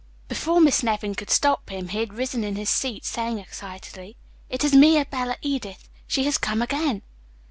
Before Miss Nevin could stop him, he had risen in his seat, saying excitedly: "It is mia bella Edith. She has come again."